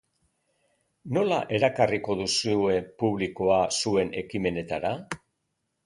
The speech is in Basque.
Nola erakarriko duzue publikoa zuen ekimenetara?